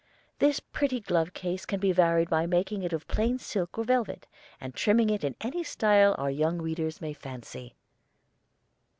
This pretty glove case can be varied by making it of plain silk or velvet, and trimming it in any style our young readers may fancy.